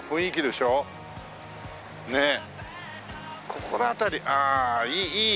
ここら辺りああいい